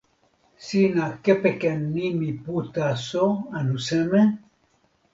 sina kepeken nimi pu taso anu seme?